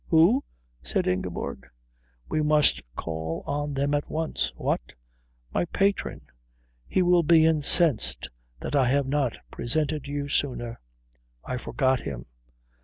"Who?" said Ingeborg. "We must call on them at once." "What?" "My patron. He will be incensed that I have not presented you sooner. I forgot him.